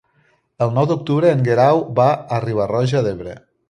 El nou d'octubre en Guerau va a Riba-roja d'Ebre.